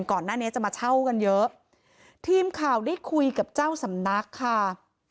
ก่อนหน้านี้จะมาเช่ากันเยอะทีมข่าวได้คุยกับเจ้าสำนักค่ะ